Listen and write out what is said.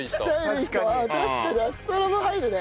ああ確かにアスパラも入るね。